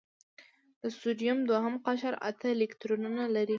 د سوډیم دوهم قشر اته الکترونونه لري.